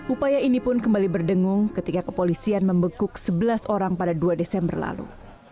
upaya ini pun kembali berdengung ketika kepolisian membekuk sebelas orang pada dua desember lalu